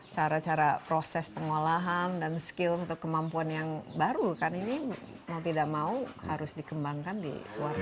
cara cara proses pengolahan dan skill atau kemampuan yang baru kan ini mau tidak mau harus dikembangkan di luar negeri